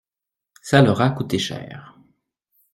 Ça leur a coûté cher.